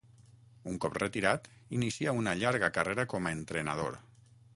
Un cop retirat inicià una llarga carrera com a entrenador.